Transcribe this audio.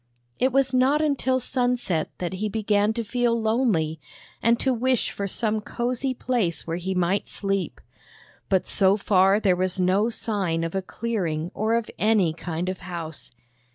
It was not until sunset that he began to feel lonely, and to wish for some cozy place where he might sleep. But so far there was no sign of a clearing or of any kind of house.